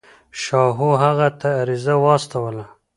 شاهو هغه ته عریضه واستوله.